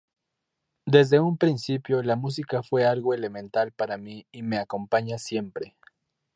Desde un principio la música fue algo elemental para mí y me acompaña siempre.